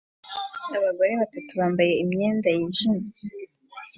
Abagore batatu bambaye imyenda yijimye